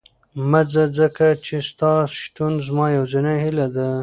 مه ځه، ځکه چې ستا شتون زما یوازینۍ هیله ده.